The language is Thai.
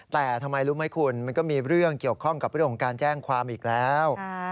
แต่ทำไมรู้ไหมคุณมันก็มีเรื่องเกี่ยวข้องกับเรื่องของการแจ้งความอีกแล้ว